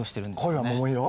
「恋は桃色」？